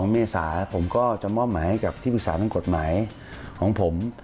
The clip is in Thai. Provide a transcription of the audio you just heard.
เมษาผมก็จะมอบหมายให้กับที่ปรึกษาทางกฎหมายของผม